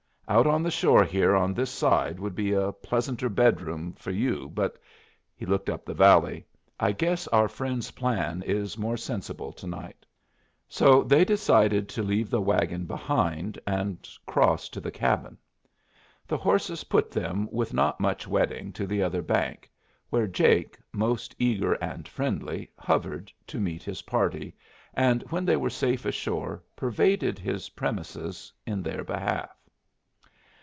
Out on the shore here on this side would be a pleasanter bedroom for you, but" (he looked up the valley) "I guess our friend's plan is more sensible to night." So they decided to leave the wagon behind and cross to the cabin. The horses put them with not much wetting to the other bank, where Jake, most eager and friendly, hovered to meet his party, and when they were safe ashore pervaded his premises in their behalf.